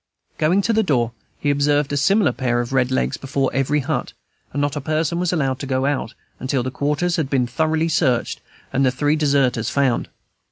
Going to the door, he observed a similar pair of red legs before every hut, and not a person was allowed to go out, until the quarters had been thoroughly searched, and the three deserters found.